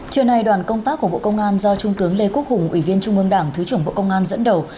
trưa nay đoàn công tác của bộ công an do trung tướng lê quốc hùng ủy viên trung ương đảng thứ trưởng bộ công an dẫn đầu